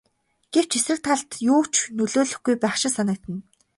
Гэвч эсрэг талд юу ч нөлөөлөхгүй байх шиг санагдана.